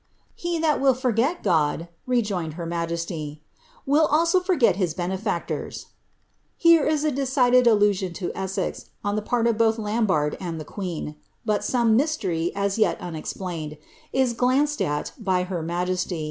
He that will forget God," rejoined her majesty, will also forget his benefactors." Here is a decided allusion to Essex, on the part of both Lmibarde and the queen; but some mystery, as yet unexplained, is » Bacon's Apology.